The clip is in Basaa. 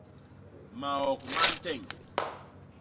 Maok ma nteñ.